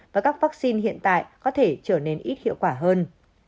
và các vaccine hiện tại có thể nét tránh vaccine tốt hơn